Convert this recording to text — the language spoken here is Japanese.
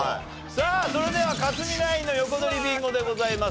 さあそれでは克実ナインの横取りビンゴでございます。